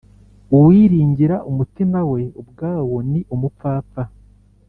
uwiringira umutima we ubwawo ni umupfapfa